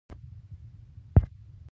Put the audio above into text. حد اقلونو توافق پیدا شي.